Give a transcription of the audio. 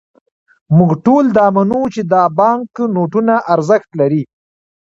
موږ ټول دا منو، چې دا بانکنوټونه ارزښت لري.